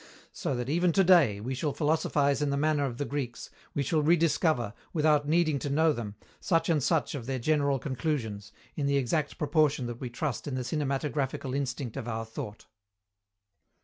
So that, even to day, we shall philosophize in the manner of the Greeks, we shall rediscover, without needing to know them, such and such of their general conclusions, in the exact proportion that we trust in the cinematographical instinct of our thought.